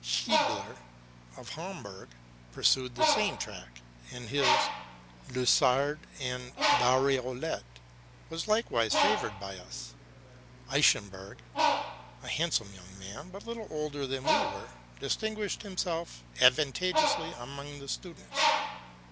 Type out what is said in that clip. Schiebler, of Hamburgh, pursued the same track ; and his ' Lisuard and Dariolette ' Stes 272 TRUTH AND FICTION was likewise favored by us. Eschenburg, a handsome young man, but little older than we were, distinguished himself advantageously among the students.